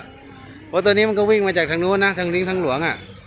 เพราะตัวนี้มันก็วิ่งมาจากทางนู้นนะทางลิ้งทางหลวง